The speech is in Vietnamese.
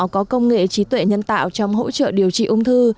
có công nghệ trí tuệ nhân tạo trong hỗ trợ điều trị ung thư